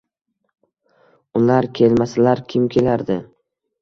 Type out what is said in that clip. Ular kelmasalar kim kelardi.